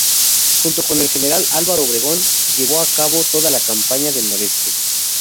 Junto con el General Álvaro Obregón, llevó a cabo toda la Campaña del Noroeste.